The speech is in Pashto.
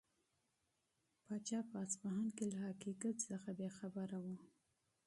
پاچا په اصفهان کې له حقیقت څخه بې خبره و.